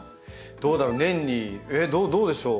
どうだろう？年にどうでしょう？